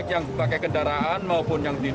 yang pakai kendaraan maupun yang diberikan